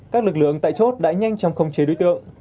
các lực lượng tại chốt đã nhanh chóng khống chế đối tượng